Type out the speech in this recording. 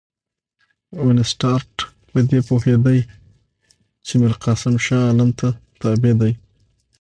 وینسیټارټ په دې پوهېدی چې میرقاسم شاه عالم ته تابع دی.